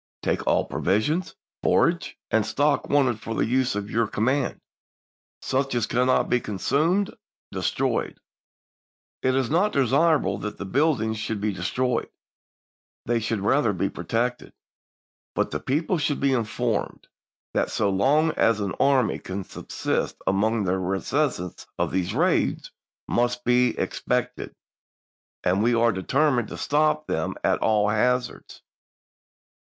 Take all pro visions, forage, and stock wanted for the use of your command; such as cannot be consumed, de stroy. It is not desirable that the buildings should be destroyed — they should rather be protected ; but the people should be informed that so long as an Grant army can subsist among them recurrences of these MeSSiS? raids must be expected, and we are determined to Y£}'dt' stop them at all hazards."